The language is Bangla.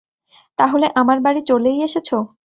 তাহলে আমার বাড়ি চলেই এসেছ?